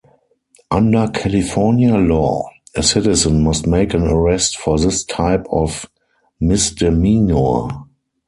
Under California law, a citizen must make an arrest for this type of misdemeanor.